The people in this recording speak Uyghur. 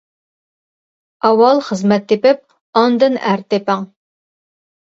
ئاۋۋال خىزمەت تېپىپ، ئاندىن ئەر تېپىڭ.